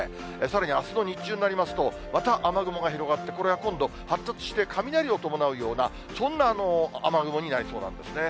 さらに、あすの日中になりますと、また雨雲が広がって、これは今度、発達して雷を伴うような、そんな雨雲になりそうなんですね。